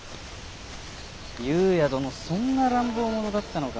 由也殿そんな乱暴者だったのか。